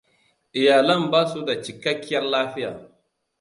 Iyalan ba su da cikakkiyar lafiya.